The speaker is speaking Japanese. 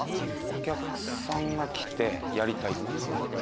お客さんが来て「やりたい」って。